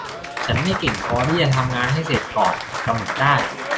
ฉันไม่เก่งพอที่จะทำงานให้เสร็จก่อนกำหนดได้